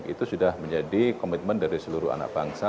itu sudah menjadi komitmen dari seluruh anak bangsa